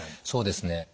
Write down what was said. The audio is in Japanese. そうですね。